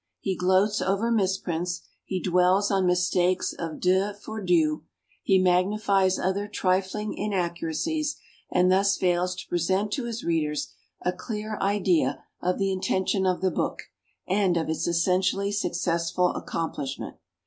He gloats over misprints, he dwells on mis takes of de for du, he magnifies other trifling inaccuracies, and thus fails to present to his readers a clear idea of the intention of the book and of its e.ssentially successful accomplishment.